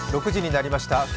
６時になりました。